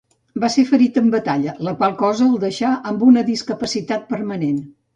Va ser ferit en batalla, la qual cosa el deixà amb una discapacitat permanent.